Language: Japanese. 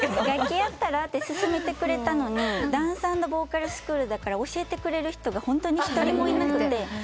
「楽器やったら？」って勧めてくれたのにダンス＆ボーカルスクールだから教えてくれる人がホントに一人もいなくて。